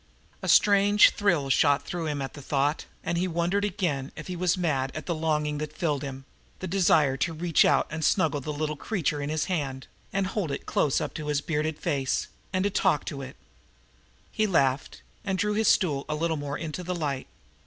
A strange thrill shot through him at the thought, and he wondered again if he was mad at the longing that filled him the desire to reach out and snuggle the little creature in his hand, and hold it close up to his bearded face, and TALK TO IT! He laughed, and drew his stool a little more into the light.